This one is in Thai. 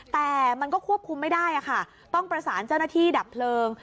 แต่มันก็ควบคุมไม่ได้ค่ะต้องประสานเจ้าหน้าที่ดับเพลิง